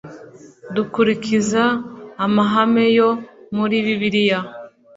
Dukurikiza amahame yo muri Bibiliya